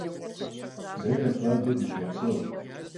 De Nartkhale dışopseur.